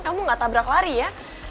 kamu gak tabrak lari ya